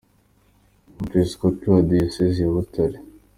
Umwepiskopi wa Diyosezi ya Butare